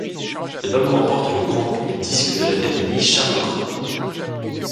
L'album remporte le Grand Prix du disque de l'Académie Charles-Cros.